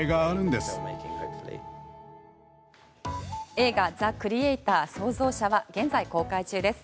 映画「ザ・クリエイター／創造者」は現在公開中です。